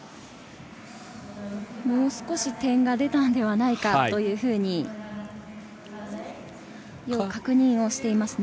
もう少し点が出たのではないかというふうに確認していますね。